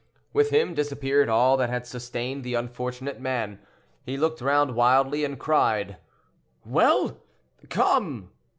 With him disappeared all that had sustained the unfortunate man; he looked round wildly and cried: "Well, come!"